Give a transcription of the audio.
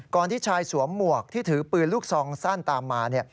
ที่ชายสวมหมวกที่ถือปืนลูกซองสั้นตามมา